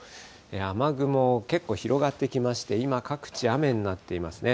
雨雲、結構広がってきまして、今、各地で雨になっていますね。